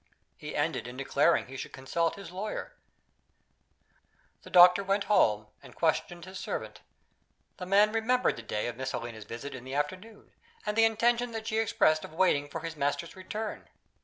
He ended in declaring he should consult his lawyer. The doctor went home, and questioned his servant. The man remembered the day of Miss Helena's visit in the afternoon, and the intention that she expressed of waiting for his master's return.